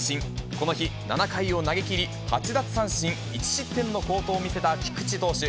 この日、７回を投げきり、８奪三振１失点の好投を見せた菊池投手。